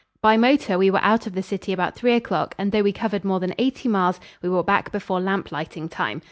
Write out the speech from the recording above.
By motor, we were out of the city about three o'clock, and though we covered more than eighty miles, we were back before lamp lighting time.